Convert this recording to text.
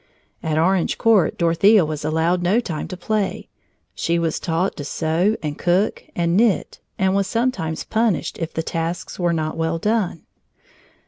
At Orange Court, Dorothea was allowed no time to play. She was taught to sew and cook and knit and was sometimes punished if the tasks were not well done.